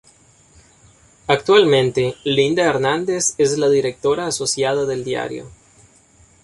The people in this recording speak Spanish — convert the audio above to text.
Actualmente, Linda Hernández es la directora asociada del diario.